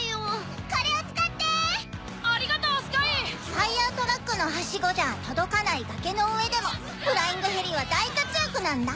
ファイヤートラックのはしごじゃ届かない崖の上でもフライングヘリは大活躍なんだ。